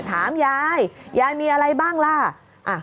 ถามยายยายมีอะไรบ้างล่ะ